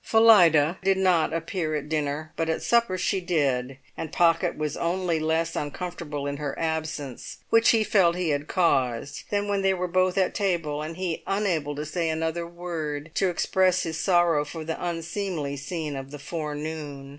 Phillida did not appear at dinner, but at supper she did, and Pocket was only less uncomfortable in her absence, which he felt he had caused, than when they were both at table and he unable to say another word to express his sorrow for the unseemly scene of the forenoon.